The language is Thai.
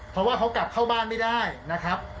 เพราะว่าเขากลับเข้าบ้านไม่ได้นะครับ